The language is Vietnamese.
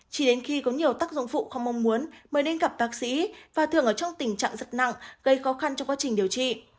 chỉ đến khi có nhiều tác dụng phụ không mong muốn mới nên gặp bác sĩ và thường ở trong tình trạng rất nặng gây khó khăn trong quá trình điều trị